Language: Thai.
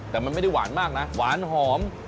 แต่มันไม่ได้หวานมากนะหวานหอม